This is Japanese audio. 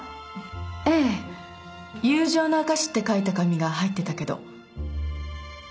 ええ友情の証しって書いた紙が入ってたけど